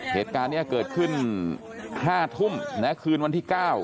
เหตุการณ์นี้เกิดขึ้น๕ทุ่มคืนวันที่๙